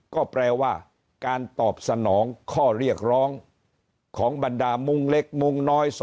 ก็แปลว่าการตอบสนองข้อเรียกร้องของบรรดามุ่งเล็กมุงน้อย